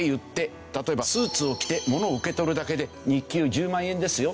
例えば「スーツを着てモノを受け取るだけで日給１０万円ですよ。